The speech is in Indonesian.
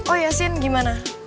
oh yasin gimana